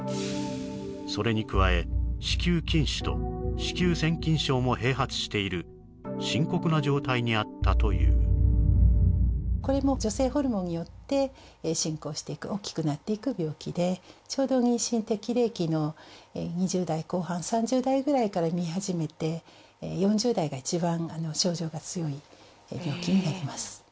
それに加え子宮筋腫と子宮腺筋症も併発している深刻な状態にあったというこれも女性ホルモンによって進行していく大きくなっていく病気でちょうど妊娠適齢期の２０代後半３０代ぐらいからみえはじめて４０代が一番症状が強い病気になります